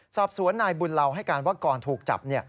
สอบสวนนายบุญเหล่าให้การว่าก่อนถูกจับ